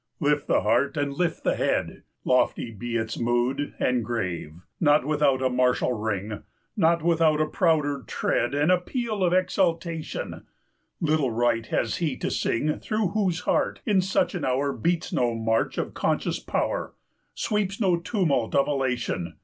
Lift the heart and lift the head! 355 Lofty be its mood and grave, Not without a martial ring, Not without a prouder tread And a peal of exultation: Little right has he to sing 360 Through whose heart in such an hour Beats no march of conscious power, Sweeps no tumult of elation!